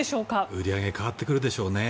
売り上げ変わってくるでしょうね。